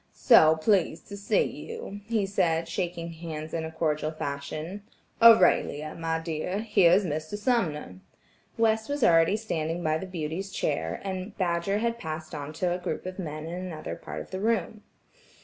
"So pleased to see you," he said, shaking hands in his cordial fashion. "Aurelia, my dear, here is Mr. Sumner." West was already standing by the beauty's chair, and Badger had passed on to a group of men in another part of the room.